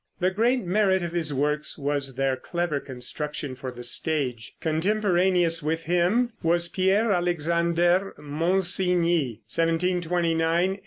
The great merit of his works was their clever construction for the stage. Contemporaneous with him was Pierre Alexander Monsigny (1729 1817).